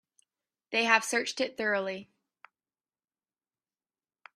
They have searched it thoroughly.